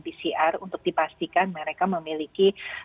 pcr untuk dipastikan mereka memiliki